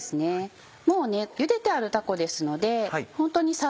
もうゆでてあるたこですので本当にサッと。